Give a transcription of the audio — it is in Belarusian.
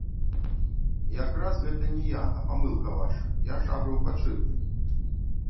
Якраз гэта не я, а памылка ваша, я шабрыў падшыпнік.